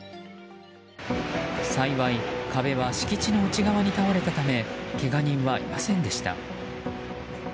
幸い、壁は敷地の内側に倒れたためけが人はいませんでした。